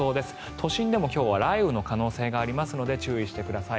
都心でも今日は雷雨の可能性がありますので注意してください。